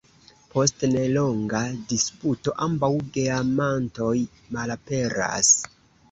Post nelonga disputo, ambaŭ geamantoj malaperas.